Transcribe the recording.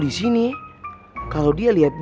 ini dia bedanya pak